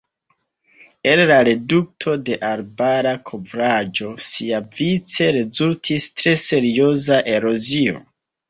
El la redukto de arbara kovraĵo siavice rezultis tre serioza erozio.